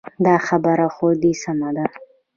دا خبره خو دې سمه ده.